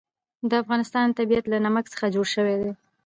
د افغانستان طبیعت له نمک څخه جوړ شوی دی.